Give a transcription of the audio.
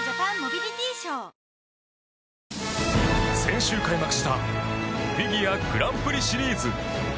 先週開幕したフィギュアグランプリシリーズ。